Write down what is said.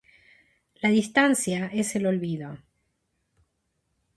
La distancia es el olvido.